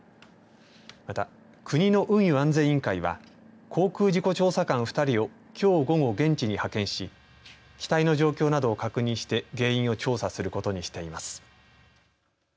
また、国の運輸安全委員会は航空事故調査官２人をきょう午後現地に派遣し機体の状況などを確認して原因を調査することにしています。